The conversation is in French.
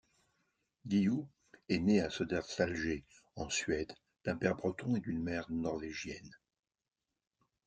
Guillou est né à Södertälje, en Suède, d’un père breton et d’une mère norvégienne.